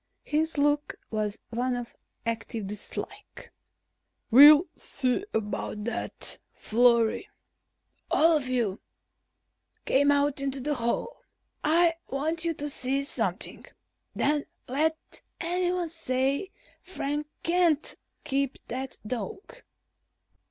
His look was one of active dislike. "We'll see about that, Florry. All of you, come out into the hall. I want you to see something. Then let anyone say Frank can't keep that dog!"